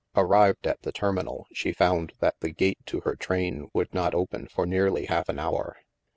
Arrived at the terminal, she found that the gate to her train would not open for nearly half an hour.